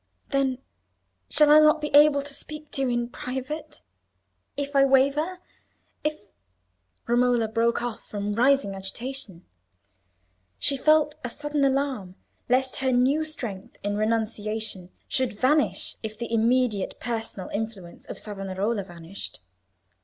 "Then shall I not be able to speak to you in private? if I waver, if—" Romola broke off from rising agitation. She felt a sudden alarm lest her new strength in renunciation should vanish if the immediate personal influence of Savonarola vanished.